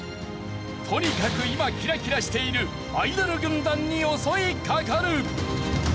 とにかく今キラキラしているアイドル軍団に襲いかかる！